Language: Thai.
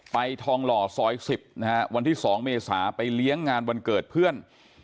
ทองหล่อซอย๑๐นะฮะวันที่๒เมษาไปเลี้ยงงานวันเกิดเพื่อน